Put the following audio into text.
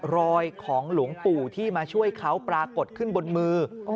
รอยของหลวงปู่ที่มาช่วยเขาปรากฏขึ้นบนมือ